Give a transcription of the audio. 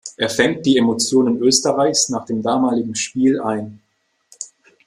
Er fängt die Emotionen Österreichs nach dem damaligen Spiel ein.